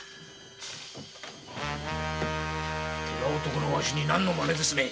寺男のわしに何のマネですね？